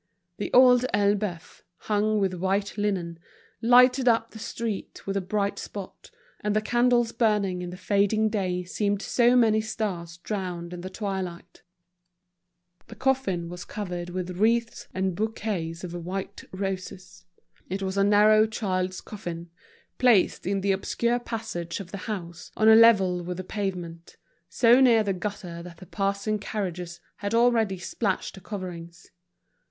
The Old Elbeuf, hung with white linen, lighted up the street with a bright spot, and the candles burning in the fading day seemed so many stars drowned in the twilight. The coffin was covered with wreaths and bouquets of white roses; it was a narrow child's coffin, placed in the obscure passage of the house on a level with the pavement, so near the gutter that the passing carriages had already splashed the coverings.